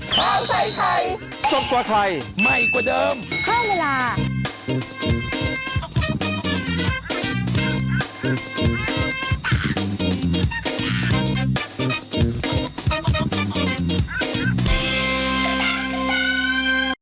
ข้าวใส่ไทยสดกว่าไทยใหม่กว่าเดิมเพิ่มเวลา